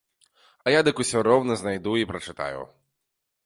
А я дык усё роўна знайду і прачытаю.